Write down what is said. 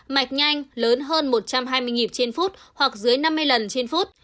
mạch nhanh lớn hơn một trăm hai mươi nhịp trên phút hoặc dưới năm mươi lần trên phút